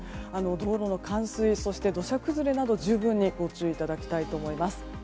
道路の冠水、そして土砂崩れなど十分、ご注意いただきたいと思います。